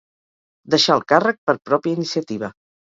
Deixà el càrrec per pròpia iniciativa.